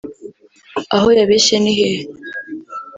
Aho yabeshye ni hehe